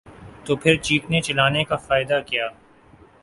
تو پھر چیخنے چلانے کا فائدہ کیا؟